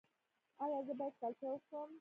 ایا زه باید کلچه وخورم؟